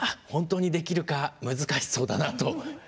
本当にできるか難しそうだなと。